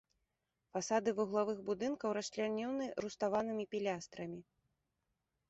Фасады вуглавых будынкаў расчлянёны руставанымі пілястрамі.